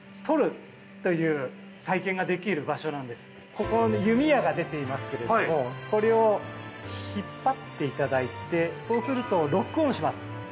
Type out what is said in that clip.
ここ弓矢が出ていますけれどもこれを引っ張っていただいてそうするとロックオンします。